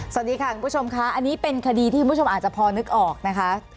สวัสดีค่ะคุณผู้ชมค่ะอันนี้เป็นคดีที่คุณผู้ชมอาจจะพอนึกออกนะคะ